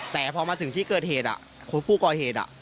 แต่พอมาถึงที่เกิดเหตุผู้ก่อเหตุ